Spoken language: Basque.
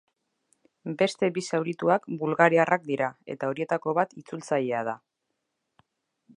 Beste bi zaurituak bulgariarrak dira eta horietako bat itzultzailea da.